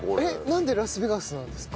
なんでラスベガスなんですか？